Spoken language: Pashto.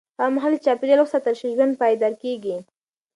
هغه مهال چې چاپېریال وساتل شي، ژوند پایدار کېږي.